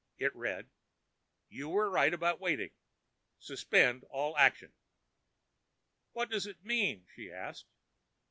It read: "You were right about waiting. Suspend all action." "What does it mean?" she asked.